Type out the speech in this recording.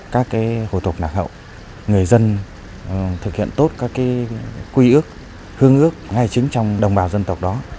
các hồ tục lạc hậu người dân thực hiện tốt các quy ước hương ước ngay chính trong đồng bào dân tộc đó